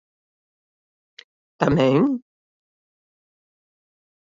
¿Tamén?